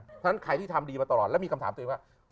เพราะฉะนั้นใครที่ทำดีมาตลอดแล้วมีคำถามตัวเองว่า